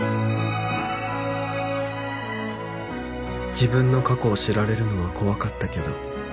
「自分の過去を知られるのは怖かったけど」